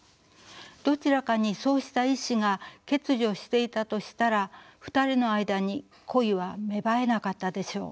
どちらかにそうした意志が欠如していたとしたら２人の間に恋は芽生えなかったでしょう。